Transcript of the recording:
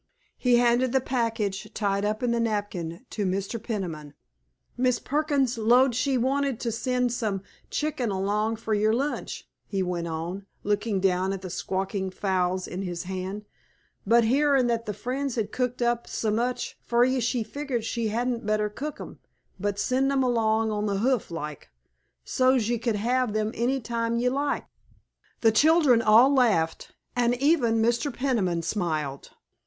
He handed the package tied up in the napkin to Mr. Peniman. "Mis' Perkins 'lowed she wanted to send some chicken along fer yer lunch," he went on, looking down at the squawking fowls in his hand, "but hearin' that the Friends had cooked up s' much fer ye she figgered she hadn't better cook hern, but send 'em along on th' hoof like, so's ye could have 'em any time ye liked." The children all laughed, and even Mr. Peniman smiled.